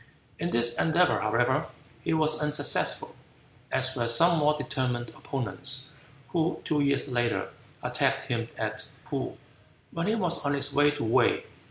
In this endeavor, however, he was unsuccessful, as were some more determined opponents, who two years later attacked him at Poo, when he was on his way to Wei.